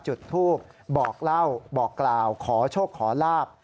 จุดทูบบอกเล่าบอกกล่าวขอโชคขอลาบ